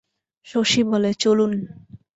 শশী বলে, চলুন।